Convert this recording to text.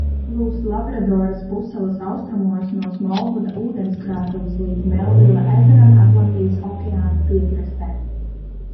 Plūst Labradoras pussalas austrumos no Smolvuda ūdenskrātuves līdz Melvila ezeram Atlantijas okeāna piekrastē.